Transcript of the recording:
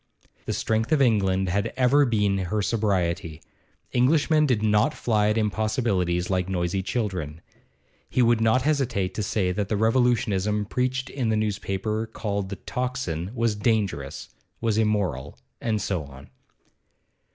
The strength of England had ever been her sobriety; Englishmen did not fly at impossibilities like noisy children. He would not hesitate to say that the revolutionism preached in the newspaper called the 'Tocsin' was dangerous, was immoral. And so on.